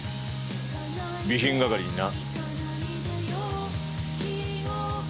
備品係にな。